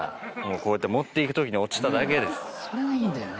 こうやって持っていくときに落ちただけです。